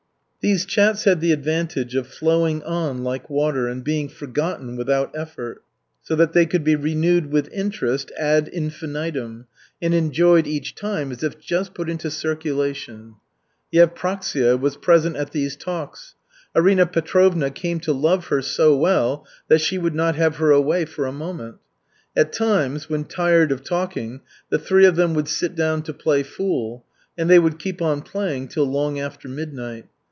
These chats had the advantage of flowing on like water and being forgotten without effort, so that they could be renewed with interest ad infinitum, and enjoyed each time as if just put into circulation. Yevpraksia was present at these talks. Arina Petrovna came to love her so well that she would not have her away for a moment. At times, when tired of talking, the three of them would sit down to play fool, and they would keep on playing till long after midnight.